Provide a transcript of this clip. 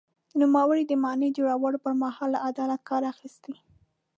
نوموړي د ماڼۍ د جوړولو پر مهال له عدالت کار اخیستی.